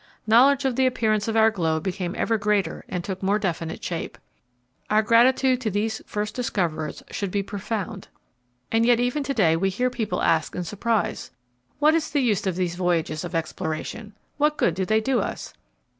Knowledge of the appearance of our globe became ever greater and took more definite shape. Our gratitude to these first discoverers should be profound. And yet even to day we hear people ask in surprise: What is the use of these voyages of exploration? What good do they do us?